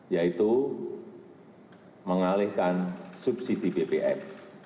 yaitu mengalihkan subsidi bbm